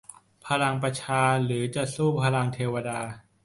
พลังประชาชนหรือจะสู้พลังเทวดา